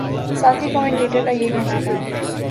ساتھی کمنٹیٹر کا یہ کہنا تھا